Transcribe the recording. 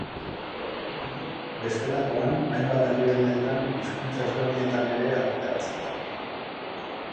Bestelakoan, hainbat herrialdeetan hizkuntza ezberdinetan ere argitaratzen da.